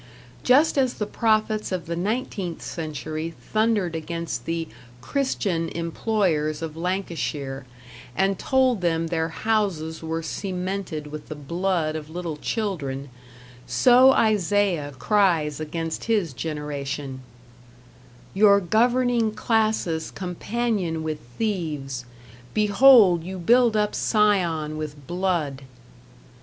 Just as the prophets of the nineteenth century thundered against the "Christian" employers of Lancashire, and told them their houses were cemented with the blood of little children, so Isaiah cries against his generation: "Your governing classes companion with thieves; behold you build up Sion with blood."